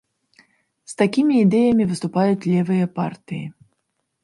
З такімі ідэямі выступаюць левыя партыі.